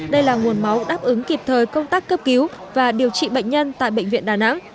đây là nguồn máu đáp ứng kịp thời công tác cấp cứu và điều trị bệnh nhân tại bệnh viện đà nẵng